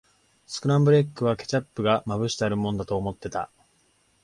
スクランブルエッグは、ケチャップがまぶしてあるもんだと思ってた。